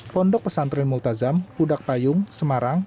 pondok pesantren multazam hudak payung semarang